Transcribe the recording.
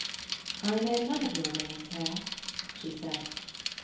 'I know none of your ways here,' she said.